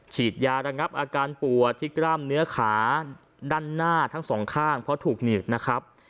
ฉีดยาระงับอาการปวดที่กล้ามเนื้อขาด้านหน้าทั้งสองข้างเพราะถูกหนีบนะครับ